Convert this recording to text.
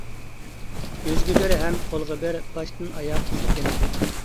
يۈزگە بىر ھەم قولغا بىر، باشتىن ئاياق سۈرگىنىڭ.